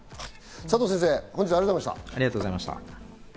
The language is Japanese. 佐藤先生、本日はありがとうございました。